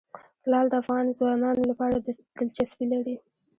لعل د افغان ځوانانو لپاره دلچسپي لري.